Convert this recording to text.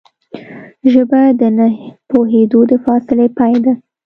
ژبه د نه پوهېدو د فاصلې پای ده